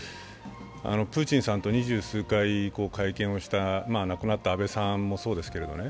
プーチンさんと二十数回会見した亡くなった安倍さんもそうですけどね、